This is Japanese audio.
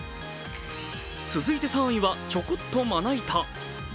続いて３位は、ちょこっとまな板。